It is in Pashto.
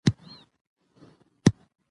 د عاید سرچینې باید په کورنیو کې زیاتې شي.